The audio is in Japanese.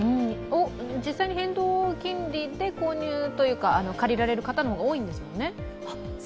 実際に変動金利で購入というか、借りられる方の方が多いんですもんね。